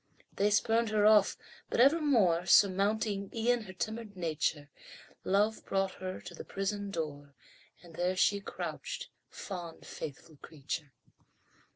They spurned her off but evermore, Surmounting e'en her timid nature, Love brought her to the prison door, And there she crouched, fond, faithful creature!